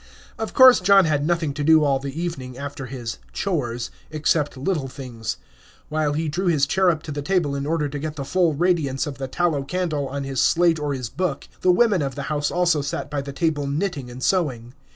Of course, John had nothing to do all the evening, after his "chores," except little things. While he drew his chair up to the table in order to get the full radiance of the tallow candle on his slate or his book, the women of the house also sat by the table knitting and sewing.